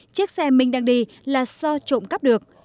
chiếc xe minh đang đi là do trộm cắp được